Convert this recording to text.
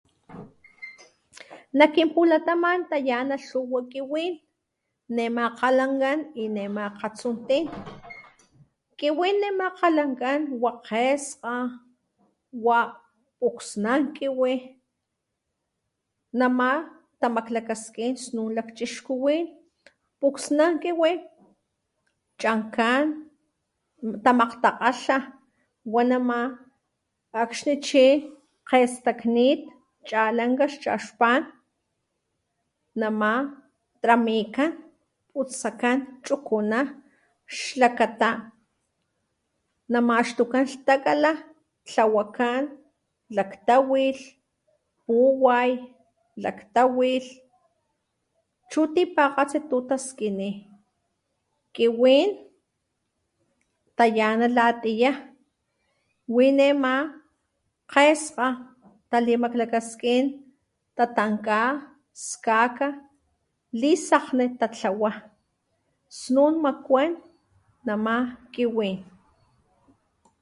Nak kin pulataman tayá nalhuwa kiwí nema kgalanlan y nema kgatsultilan kiwí nema kalankán wa kgeskgan wa puksnánkiwi namá tamalakaskín snun lakchixkuwín puksnán kiwí chankgán tamakgtakgalhan wa nama axchichí kgestakgnit chalangaxaxpán namá tramiká putsakán chukunán xlakata nama xtukán xtakgala tlawakán nak tawilh puway lak tawilh chu tipakgatsi tu taskiní kiwí tayana latiyá wi nema kgeskga talimalakaskín tatanká skgaka lisajni talhawá snun makway namá kiwín.